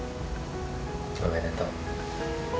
おめでとう。